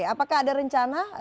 apakah ada rencana